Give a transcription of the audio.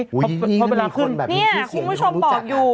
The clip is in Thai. พอเวลาขึ้นเนี่ยคุณผู้ชมบอกอยู่